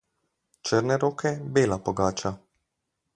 Črne roke, bela pogača.